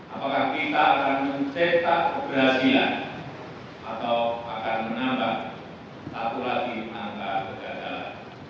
apakah kita akan mencetak keberhasilan atau akan menambah satu lagi angka kegagalan